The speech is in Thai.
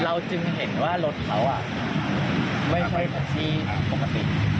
เราจึงเห็นว่ารถเขาไม่ใช่แผนกฎิกฤษ